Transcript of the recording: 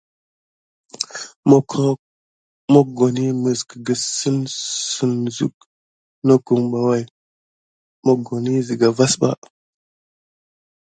Mogroh mokoni mis migete suck kena nakum na wurare naban mokoni siga vasba.